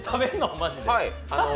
マジで。